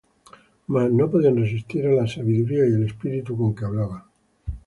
Mas no podían resistir á la sabiduría y al Espíritu con que hablaba.